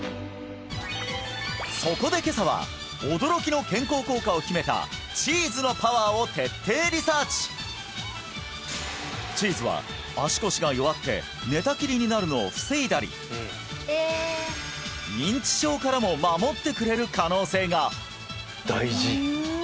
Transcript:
そこで今朝は驚きの健康効果を秘めたチーズのパワーを徹底リサーチチーズは足腰が弱って寝たきりになるのを防いだり認知症からも守ってくれる可能性が！